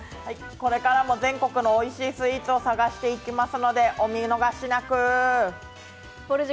これからも全国のおいしいスイーツを探していきますのでお見逃しなく。